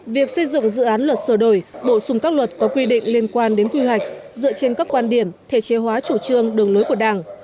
việc xây dựng dự án luật sửa đổi bổ sung các luật có quy định liên quan đến quy hoạch dựa trên các quan điểm thể chế hóa chủ trương đường lối của đảng